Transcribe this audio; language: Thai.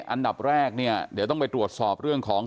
อันดับแรกเนี่ยเดี๋ยวต้องไปตรวจสอบเรื่องของ